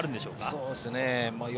そうですね。